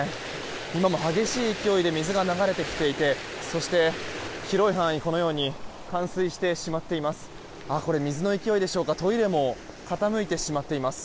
今も激しい勢いで水が流れてきていて広い範囲が冠水してしまっています。